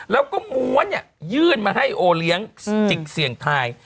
แล้วก็ม้วนเนี่ยยื่นมาให้โอเลี้ยงจิกเสี่ยงทาย